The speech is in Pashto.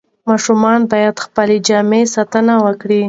ماشومان باید د خپلو جامو ساتنه وکړي.